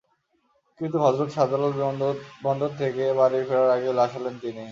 কিন্তু হজরত শাহজালাল বিমানবন্দর থেকে বাড়ি ফেরার আগেই লাশ হলেন তিনি।